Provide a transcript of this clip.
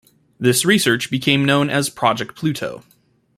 This research became known as "Project Pluto".